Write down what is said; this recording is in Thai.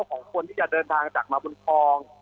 ของคนที่จะเดินทางจากมาบุญทอง